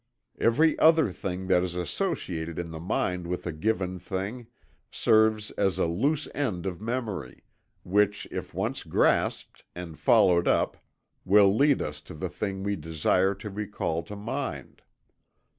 Every other thing that is associated in the mind with a given thing, serves as a "loose end" of memory, which if once grasped and followed up will lead us to the thing we desire to recall to mind.